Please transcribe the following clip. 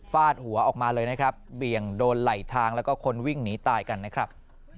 หัวออกมาเลยนะครับเบี่ยงโดนไหลทางแล้วก็คนวิ่งหนีตายกันนะครับ